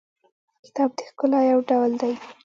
کتاب د ښکلا یو ډول دی.